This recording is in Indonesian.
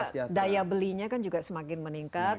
sehingga bisa daya belinya kan juga semakin meningkat